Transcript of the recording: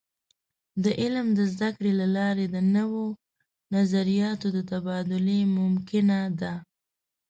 د علم د زده کړې له لارې د نوو نظریاتو د تبادلې ممکنه ده.